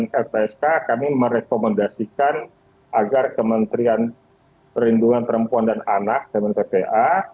di keputusan lpsk kami merekomendasikan agar kementerian perlindungan perempuan dan anak kementerian ppa